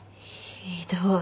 ひどい。